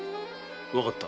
わかった。